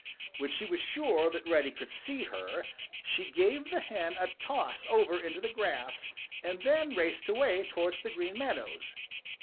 When she was sure that Reddy could see her, she gave the hen a toss over into the grass and then raced away towards the Green Meadows.